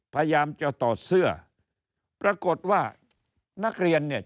พยายามจะถอดเสื้อปรากฏว่านักเรียนเนี่ย